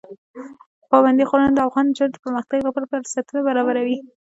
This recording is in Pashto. پابندی غرونه د افغان نجونو د پرمختګ لپاره فرصتونه برابروي.